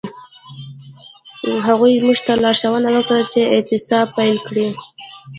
هغوی موږ ته لارښوونه وکړه چې اعتصاب پیل کړئ.